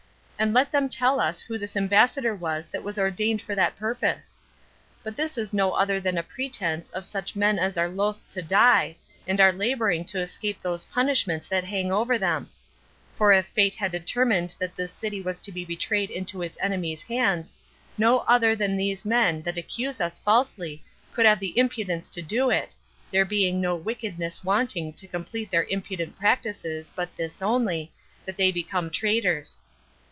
And let them tell us who this ambassador was that was ordained for that purpose. But this is no other than a pretense of such men as are loath to die, and are laboring to escape those punishments that hang over them; for if fate had determined that this city was to be betrayed into its enemies' hands, no other than these men that accuse us falsely could have the impudence to do it, there being no wickedness wanting to complete their impudent practices but this only, that they become traitors.